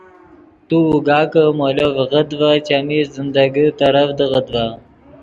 تو اوگا کہ مولو ڤیغت ڤے چیمی زندگی ترڤدیغت ڤے